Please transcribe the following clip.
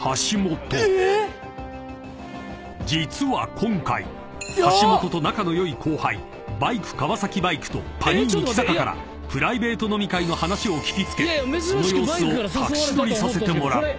［実は今回橋本と仲の良い後輩バイク川崎バイクとパニーニ木坂からプライベート飲み会の話を聞き付けその様子を隠し撮りさせてもらった］